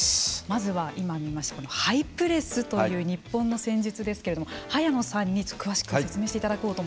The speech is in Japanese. まずは今見ましたハイプレスという日本の戦術ですけれども早野さんに詳しく説明していただこうと思います。